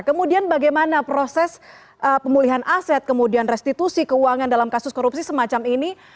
kemudian bagaimana proses pemulihan aset kemudian restitusi keuangan dalam kasus korupsi semacam ini